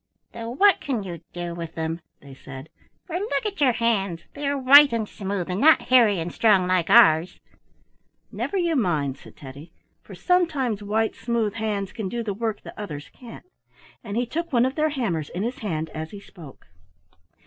"Though what can you do with them?" they said, "for look at your hands; they are white and smooth, and not hairy and strong like ours." "Never you mind," said Teddy, "for sometimes white, smooth hands can do the work that others can't," and he took one of their hammers in his hand as he spoke.